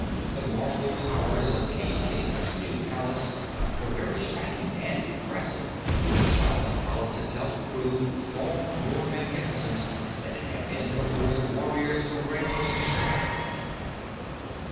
The marble towers of King Kitticut's new palace were very striking and impressive, while the palace itself proved far more magnificent than it had been before the warriors from Regos destroyed it.